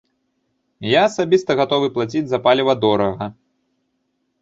Я асабіста гатовы плаціць за паліва дорага.